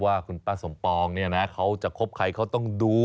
ว่าคุณป้าสมปองเขาจะคบใครเขาต้องดู